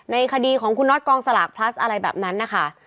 คดีของคุณน็อตกองสลากพลัสอะไรแบบนั้นนะคะ